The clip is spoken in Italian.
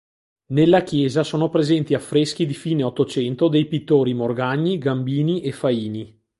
Nella chiesa sono presenti affreschi di fine Ottocento dei pittori Morgagni, Gambini e Faini.